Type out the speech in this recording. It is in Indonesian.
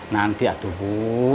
nanti atuh bu